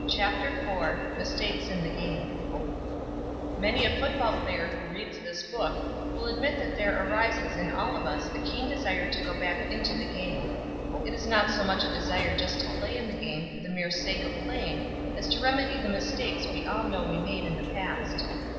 CHAPTER IV MISTAKES IN THE GAME Many a football player who reads this book will admit that there arises in all of us a keen desire to go back into the game. It is not so much a desire just to play in the game for the mere sake of playing as to remedy the mistakes we all know we made in the past.